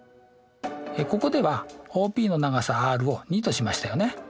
ここではＯＰの長さｒを２としましたよね。